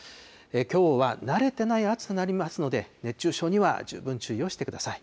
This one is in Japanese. きょうは慣れてない暑さとなりますので、熱中症には十分注意をしてください。